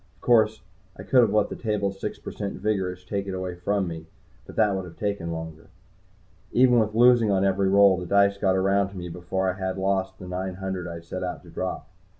Of course, I could have let the table's six per cent vigorish take it away from me, but that would have taken longer. Even with losing on every roll, the dice got around to me before I had lost the nine hundred I had set out to drop.